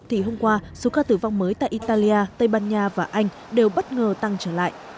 thì hôm qua số ca tử vong mới tại italia tây ban nha và anh đều bất ngờ tăng trở lại